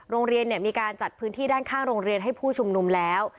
โรงเรียนมีการจัดพื้นที่ด้านข้างโรงเรียนให้ผู้ชุมนุมแล้ว